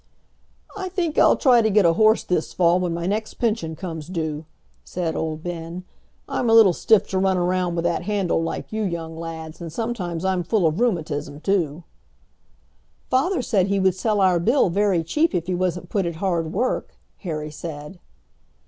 "I think I'll try to get a horse this fall when my next pension comes due," said old Ben, "I'm a little stiff to run around with that handle like you young lads, and sometimes I'm full of rheumatism too." "Father said he would sell our Bill very cheap if he wasn't put at hard work," Harry said.